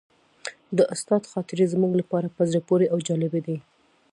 د استاد خاطرې زموږ لپاره په زړه پورې او جالبې دي.